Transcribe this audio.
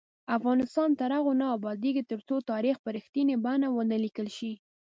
افغانستان تر هغو نه ابادیږي، ترڅو تاریخ په رښتینې بڼه ونه لیکل شي.